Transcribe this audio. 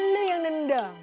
lu yang nendang